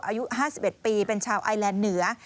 อายุห้าสิบเอ็ดปีเป็นชาวไอแลนด์เหนือ